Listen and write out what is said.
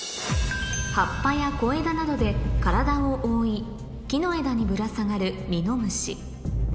葉っぱや小枝などで体を覆い木の枝にぶら下がるうん。